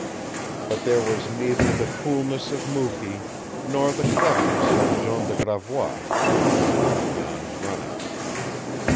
But there was neither the coolness of Mukee nor the cleverness of Jean de Gravois in the manner of Jan's running.